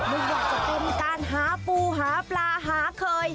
ไม่ว่าจะเป็นการหาปูหาปลาหาเคย